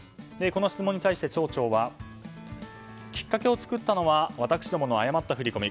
この質問に対して町長は、きっかけを作ったのは私どもの誤った振り込み